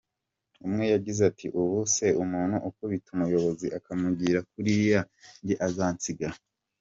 Umwe yagize ati « ubu se umuntu ukubita umuyobozi akamugira kuriya njye azansiga ?».